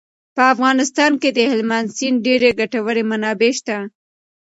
په افغانستان کې د هلمند سیند ډېرې ګټورې منابع شته.